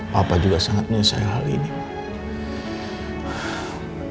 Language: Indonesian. papa juga sangat menyelesaikan hal ini ma